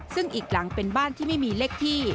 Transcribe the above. ซึ่งอีกหลังเป็นบ้านที่ไม่มีเลขที่